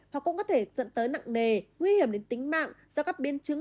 hoặc cũng có thể dẫn tới nặng nề nguy hiểm đến tính mạng do các biến chứng